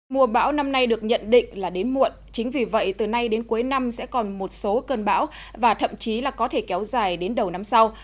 mùa bão năm nay được nhận định là đến muộn chính vì vậy từ nay đến cuối năm sẽ còn một số cơn bão và thậm chí là có thể kéo dài đến đầu năm sau